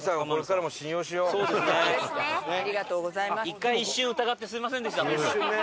１回一瞬疑ってすみませんでした。